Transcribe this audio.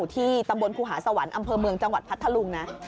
ที่ตำบลครูหาสวรรค์อำเภอเมืองจังหวัดพัทธลุงนะ